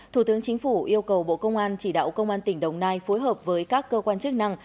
thủ tướng chính phủ yêu cầu bộ công an chỉ đạo công an tỉnh đồng nai phối hợp với các cơ quan chức năng